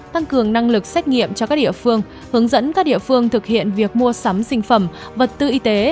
tăng cường năng lực xét nghiệm cho các địa phương hướng dẫn các địa phương thực hiện việc mua sắm sinh phẩm vật tư y tế